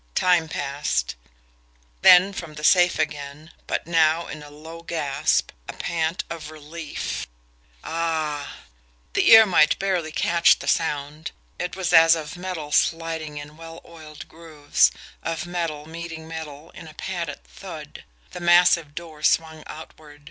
Time passed. Then from the safe again, but now in a low gasp, a pant of relief: "Ah!" The ear might barely catch the sound it was as of metal sliding in well oiled grooves, of metal meeting metal in a padded thud. The massive door swung outward.